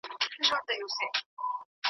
هر څه په خپل وخت ترتیب کړه.